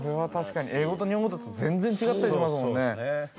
◆英語と日本語だと全然違ったりしますもんね。